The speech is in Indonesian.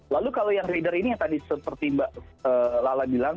lalu kalau yang reader ini yang tadi seperti mbak lala bilang